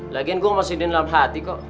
lagian gua gak mau sedihin dalam hati kok